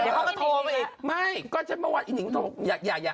เดี๋ยวเขาก็โทรไปอีกไม่ก็ฉันเมื่อวานอีหนิงโทรบอกอยากอยาก